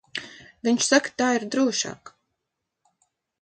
Viņš saka, tā ir drošāk.